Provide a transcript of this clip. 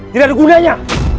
tidak ada gunanya